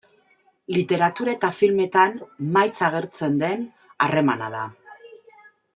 Literatura eta filmetan maiz agertzen den harremana da.